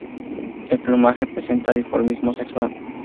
El plumaje presenta dimorfismo sexual.